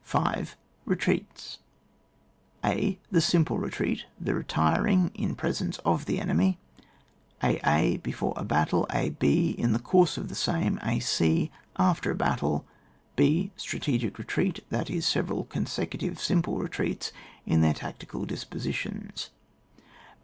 5. Betreats: — 0. The simple retreat (the retiring) in presence of the enemy; a a, before a battle ; a 6, in the oourse of the same ; a c, after a battle. b. Strategic Betreat, that is several consecutive simple retreats, in their tactical dispositions.